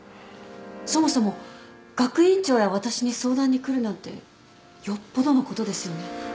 そもそも学院長や私に相談に来るなんてよっぽどのことですよね？